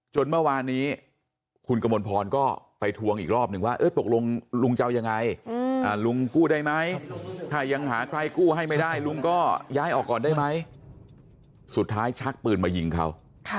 เมื่อวานนี้คุณกมลพรก็ไปทวงอีกรอบหนึ่งว่าตกลงลุงจะเอายังไงลุงกู้ได้ไหมถ้ายังหาใครกู้ให้ไม่ได้ลุงก็ย้ายออกก่อนได้ไหมสุดท้ายชักปืนมายิงเขา